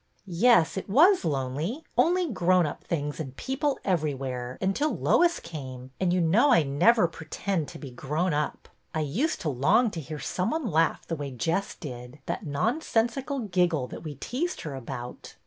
Yes, it was lonely. Only grown up things and people everywhere, until Lois came, and you know I never pretend to be grown up. I used to long to hear some one laugh the way Jess did, that nonsensical giggle, that we teased her about.